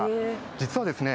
実はですね